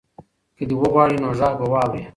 که دی وغواړي نو غږ به واوري.